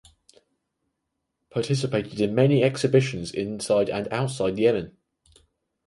Participated in many exhibitions inside and outside Yemen.